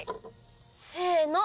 せの。